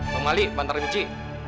pak mali pak tarmidhi